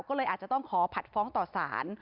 ก็เลยอาจจะต้องขอผัดฟ้องต่อสาร